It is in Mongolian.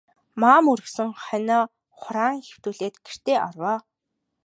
Маам үргэсэн хонио хураан хэвтүүлээд гэртээ оров.